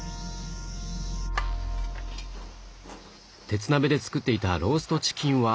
鉄鍋で作っていたローストチキンは？